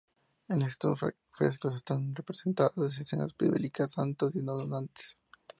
En estos frescos están representadas escenas bíblicas, santos y donantes.